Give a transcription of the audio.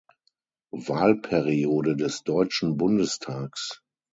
Wahlperiode des Deutschen Bundestags.